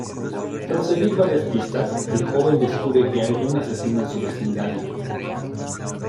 Tras seguir varias pistas, el joven descubre que hay un asesino en su vecindario.